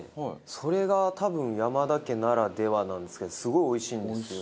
それが多分山田家ならではなんですけどすごいおいしいんですよ。